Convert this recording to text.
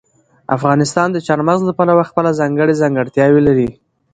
افغانستان د چار مغز له پلوه خپله ځانګړې ځانګړتیاوې لري.